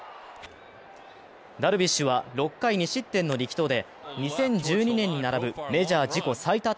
ダルビッシュは６回２失点の力投で２０１２年に並ぶメジャー自己最多